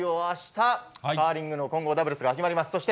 あした、カーリングの混合ダブルスが始まります。